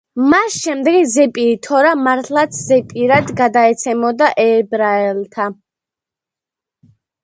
მას შემდეგ ზეპირი თორა მართლაც ზეპირად გადაეცემოდა ებრაელთა სასულიერო წოდების თაობებს, პირველ საუკუნემდე.